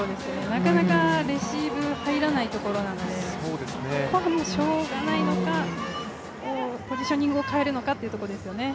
なかなかレシーブが入らないところなのでここはしょうがないのか、ポジショニングを変えるのかってところですよね。